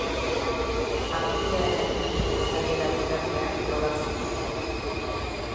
Apirilaren erditik uztailera bitartean loratzen da.